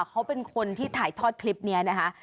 เขาเป็นคนที่ถ่ายทอดคลิปนี้นะคะ